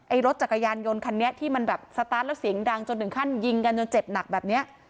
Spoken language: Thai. รถจักรยานยนต์คันนี้ที่มันแบบสตาร์ทแล้วเสียงดังจนถึงขั้นยิงกันจนเจ็บหนักแบบเนี้ย